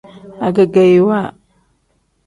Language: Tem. Agegeyiwa.